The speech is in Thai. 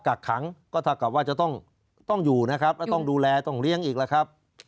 กักขังก็เท่ากับว่าจะต้องอยู่นะครับแล้วต้องดูแลต้องเลี้ยงอีกแล้วครับ